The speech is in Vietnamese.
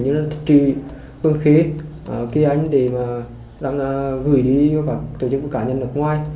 như là thị trì phương khí kỳ ánh để gửi đi cho cả nhân lực ngoài